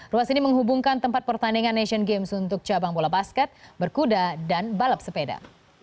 ruas ini menghubungkan tempat pertandingan asian games untuk cabang bola basket berkuda dan balap sepeda